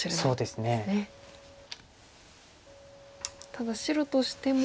ただ白としても。